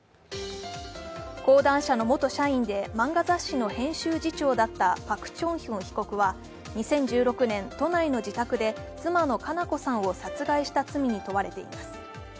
高段者の元社員で漫画雑誌の編集次長だったパク・チョンヒョン被告は２０１６年、都内の自宅で妻の佳菜子さんを殺害した罪に問われています。